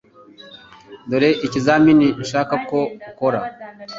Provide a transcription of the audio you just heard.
Dore ikizamini nshaka ko ukora .